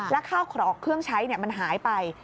แล้วข้าวของเครื่องใช้มันหายไป